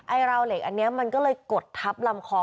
ราวเหล็กอันนี้มันก็เลยกดทับลำคอ